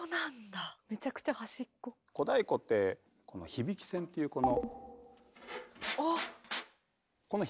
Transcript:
小太鼓ってこの響き線っていうこの。